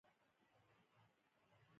پر لیکه کاروبار ډېر ډولونه لري.